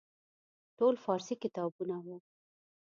ټول فارسي کتابونه وو.